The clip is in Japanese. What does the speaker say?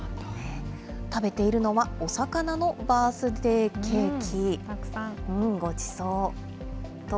食べているのは、お魚のバースデーケーキ。